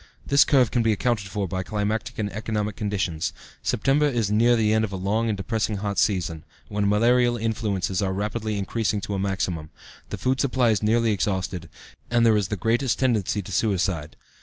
This curve can be accounted for by climatic and economic conditions. September is near the end of the long and depressing hot season, when malarial influences are rapidly increasing to a maximum, the food supply is nearly exhausted, and there is the greatest tendency to suicide.